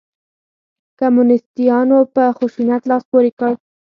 کمونسیتانو په خشونت لاس پورې کړ.